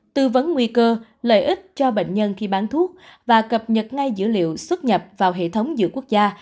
tư vấn nguy cơ lợi ích cho bệnh nhân khi bán thuốc và cập nhật ngay dữ liệu xuất nhập vào hệ thống dữ quốc gia